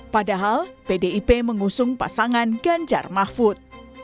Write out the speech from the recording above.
padahal pdip mengusung pasangan ganjar mahfud